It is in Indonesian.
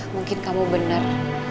mungkin kamu benar